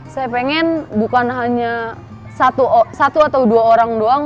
saya pengen bukan hanya satu atau dua orang doang